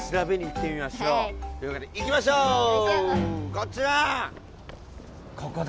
こっちだ！